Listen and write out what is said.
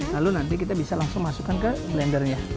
lalu nanti kita bisa langsung masukkan ke blendernya